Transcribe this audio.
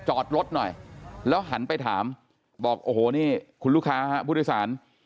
จอดรถหน่อยแล้วหันไปถามบอกโอ้โหนี่คุณลูกค้าผู้โดยสาร